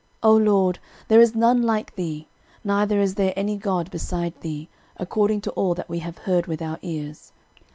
13:017:020 O LORD, there is none like thee, neither is there any God beside thee, according to all that we have heard with our ears.